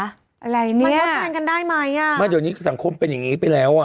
อะไรเนี่ยมันมันพันกันได้ไหมอะอยมันตอนนี้สังคมเป็นอย่างงี้ไปแล้วอ่ะ